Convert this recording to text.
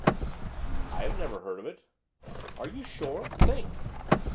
'I never heard of it.' 'Are you sure? think!